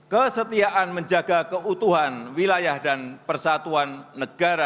kesetiaan menjaga keutuhan wilayah dan persatuan negara